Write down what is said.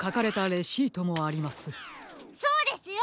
そうですよ！